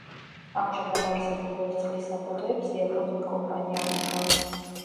ამჟამად არსებულ ვერცხლის საბადოებს იაპონური კომპანია ამუშავებს.